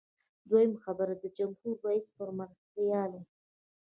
دویم خبر د جمهور رئیس د مرستیال و.